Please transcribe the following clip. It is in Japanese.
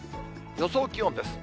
予想気温です。